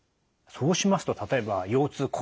そうしますと例えば腰痛腰以外。